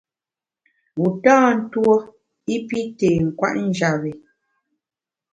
Wu tâ ntuo i pi tê nkwet njap bi.